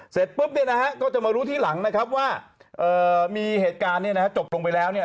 เสร็จปุ๊บเนี่ยนะฮะก็จะมารู้ทีหลังนะครับว่ามีเหตุการณ์เนี่ยนะฮะจบลงไปแล้วเนี่ย